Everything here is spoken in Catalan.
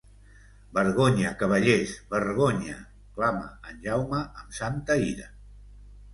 «Vergonya, cavallers, vergonya!», clama en Jaume amb santa ira.